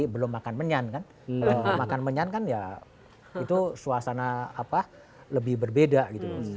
belum makan menyan kan ya itu suasana apa lebih berbeda gitu loh